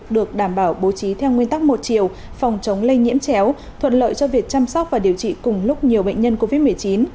được đảm bảo bố trí theo nguyên tắc một chiều phòng chống lây nhiễm chéo thuận lợi cho việc chăm sóc và điều trị cùng lúc nhiều bệnh nhân covid một mươi chín